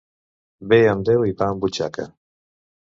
Bé amb Déu i pa en butxaca.